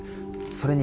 それに。